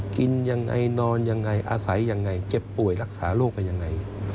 กินยังไงนอนยังไงอาศัยยังไงเจ็บป่วยรักษาโรคไปยังไง